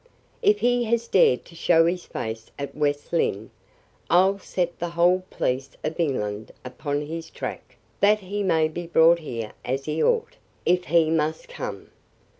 If he has dared to show his face at West Lynne, I'll set the whole police of England upon his track, that he may be brought here as he ought, if he must come.